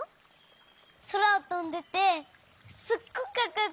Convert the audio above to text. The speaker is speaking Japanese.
そらをとんでてすっごくかっこよくて。